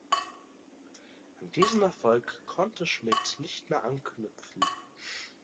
An diesen Erfolg konnte Schmidt nicht mehr anknüpfen.